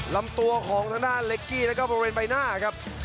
ลำตัวของทางด้านเล็กกี้แล้วก็บริเวณใบหน้าครับ